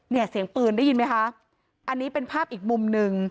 เสียงปืนได้ยินไหมคะอันนี้เป็นภาพอีกมุมหนึ่ง